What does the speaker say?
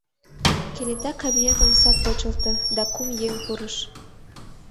Кенета кабинет омса почылто, да кум еҥ пурыш.